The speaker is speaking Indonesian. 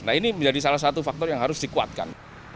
nah ini menjadi salah satu faktor yang harus dikuatkan